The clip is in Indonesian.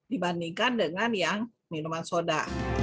dibandingkan dengan yang minuman soda